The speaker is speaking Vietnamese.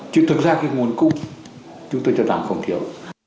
chứ thực ra cái nguồn cung chúng tôi cho rằng không thiếu